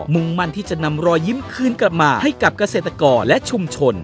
มั่นที่จะนำรอยยิ้มคืนกลับมาให้กับเกษตรกรและชุมชน